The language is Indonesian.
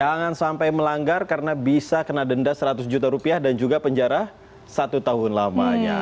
jangan sampai melanggar karena bisa kena denda seratus juta rupiah dan juga penjara satu tahun lamanya